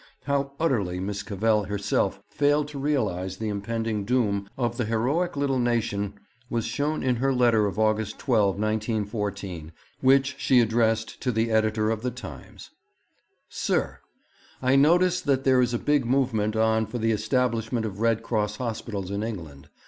How utterly Miss Cavell herself failed to realize the impending doom of the heroic little nation was shown in her letter of August 12, 1914, which she addressed to the Editor of The Times: 'Sir, 'I notice that there is a big movement on for the establishment of Red Cross Hospitals in England.